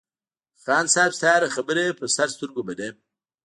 خان صاحب ستا هره خبره په سر سترگو منم.